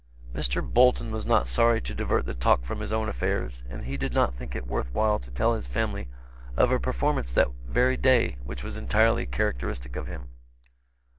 Mr. Bolton was not sorry to divert the talk from his own affairs, and he did not think it worth while to tell his family of a performance that very day which was entirely characteristic of him.